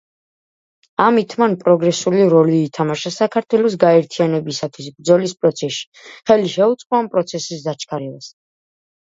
ამით მან პროგრესული როლი ითამაშა საქართველოს გაერთიანებისათვის ბრძოლის პროცესში, ხელი შეუწყო ამ პროცესის დაჩქარებას.